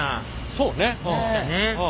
そうね。